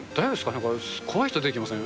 なんか怖い人出てきません？